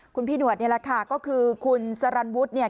คุณพี่หนวดนี่แหละค่ะก็คือคุณสรรวุฒิเนี่ย